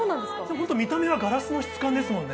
本当、見た目はガラスの質感ですよね。